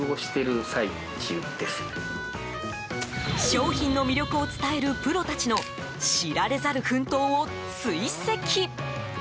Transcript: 商品の魅力を伝えるプロたちの知られざる奮闘を追跡。